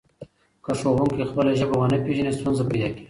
که ښوونکی خپله ژبه ونه پېژني ستونزه پیدا کېږي.